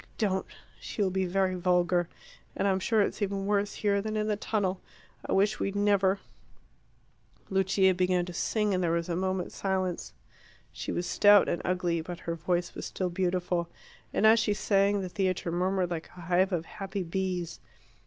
Don't. She will be very vulgar. And I'm sure it's even worse here than in the tunnel. I wish we'd never " Lucia began to sing, and there was a moment's silence. She was stout and ugly; but her voice was still beautiful, and as she sang the theatre murmured like a hive of happy bees.